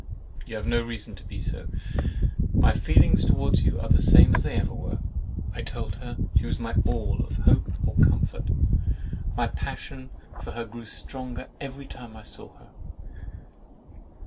"You have no reason to be so; my feelings towards you are the same as they ever were." I told her "She was my all of hope or comfort: my passion for her grew stronger every time I saw her."